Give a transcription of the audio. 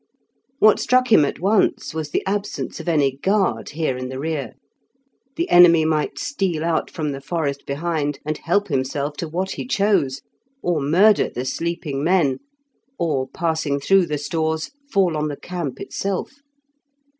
What struck him at once was the absence of any guard here in the rear. The enemy might steal out from the forest behind and help himself to what he chose, or murder the sleeping men, or, passing through the stores, fall on the camp itself.